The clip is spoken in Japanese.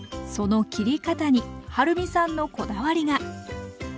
その切り方にはるみさんのこだわりが！